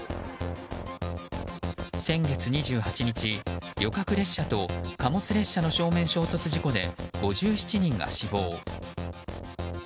先月２８日旅客列車と貨物列車の正面衝突事故で５７人が死亡。